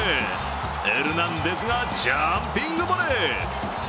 エルナンデズがジャンピングボレー。